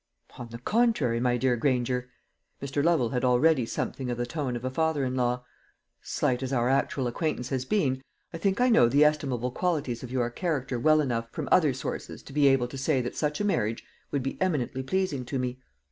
"On the contrary, my dear Granger." Mr. Lovel had already something of the tone of a father in law. "Slight as our actual acquaintance has been, I think I know the estimable qualities of your character well enough from other sources to be able to say that such a marriage would be eminently pleasing to me.